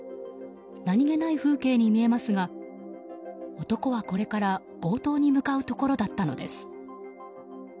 何気ない風景に見えますが男は、これから強盗に向かうところだったのです。